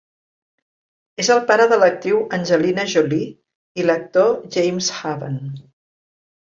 És el pare de l'actriu Angelina Jolie i l'actor James Haven.